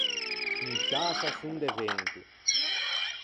Insciâse à son de vento.